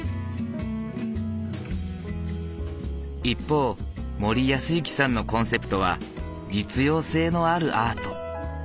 一方森泰之さんのコンセプトは「実用性のあるアート」。